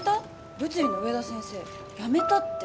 物理の植田先生辞めたって